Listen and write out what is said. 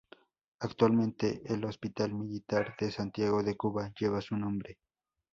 Actualmente, el Hospital Militar de Santiago de Cuba lleva su nombre.